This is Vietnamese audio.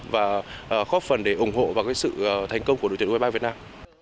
và góp phần để ủng hộ vào sự thành công của đội tuyển u hai mươi ba việt nam